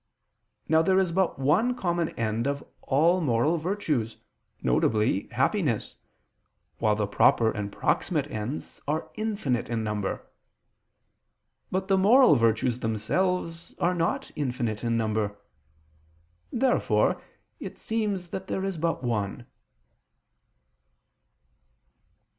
Now there is but one common end of all moral virtues, viz. happiness, while the proper and proximate ends are infinite in number. But the moral virtues themselves are not infinite in number. Therefore it seems that there is but one.